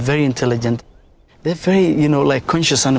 họ rất giống như loài khó khăn